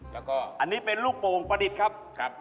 แล้วก็อันนี้เป็นลูกโปงปฎิตครับ